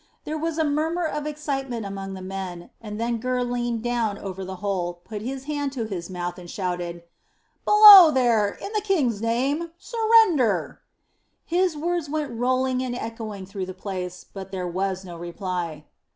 There was a murmur of excitement among the men, and then Gurr leaned down over the hole, put his hand to his mouth, and shouted, "Below there! In the King's name surrender!" His words went rolling and echoing through the place, but there was no reply.